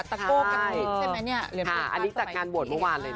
ตะโกกับสูตรใช่ไหมเหลือประมาณ๑๐๐๐บาทเมื่อกี้น่ะโอ๊ยน่ารักมากเลย